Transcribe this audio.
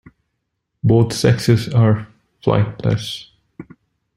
Both sexes are flightless.